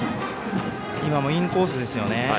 今もインコースですよね。